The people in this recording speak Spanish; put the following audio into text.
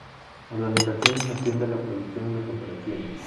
Organización y Gestión de la Producción y las Operaciones.